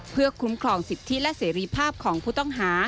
เพื่อคุ้มครองสิทธิและเสรีภาพของผู้ต้องหา